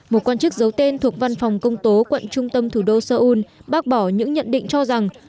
một quan chức giấu tên thuộc văn phòng công tố quận trung tâm thủ đô seoul bác bỏ những nhận định cho rằng